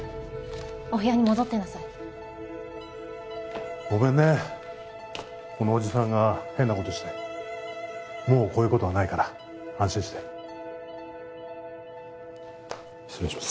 お部屋に戻ってなさいごめんねこのおじさんが変なことしてもうこういうことはないから安心して失礼します